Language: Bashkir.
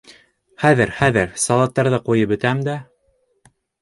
Хәҙер, хәҙер салаттарҙы ҡуйып бөтәм дә...